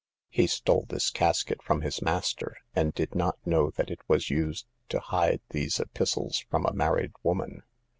He stole this casket from his master, and did not know that it was used to hide these epistles from a married woman.